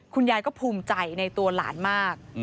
คุณยายก็ภูมิใจในตัวหลานมาก